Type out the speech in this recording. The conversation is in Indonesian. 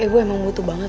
aduh enak banget